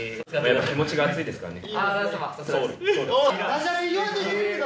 気持ちが熱いですしね。